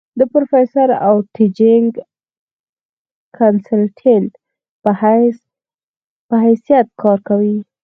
د پروفيسر او ټيچنګ کنسلټنټ پۀ حېث يت کار کوي ۔